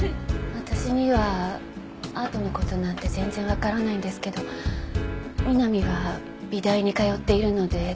私にはアートの事なんて全然わからないんですけど美波は美大に通っているので通じるものがあったようで。